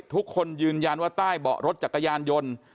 ทุกคนยืนยันว่าใต้เบาะรถจักรยานยนต์